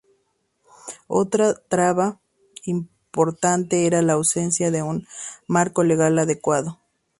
Otra traba importante era la ausencia de un marco legal adecuado.